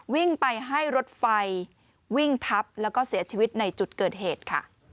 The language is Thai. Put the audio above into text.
วิ่งไปให้รถไฟวิ่งทับแล้วก็เสียชีวิตในจุดเกิดเหตุค่ะ